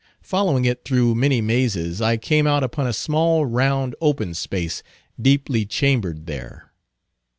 Following it through many mazes, I came out upon a small, round, open space, deeply chambered there.